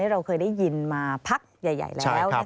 เราเคยได้ยินมาพักใหญ่แล้ว